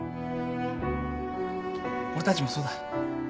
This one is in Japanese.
俺たちもそうだ。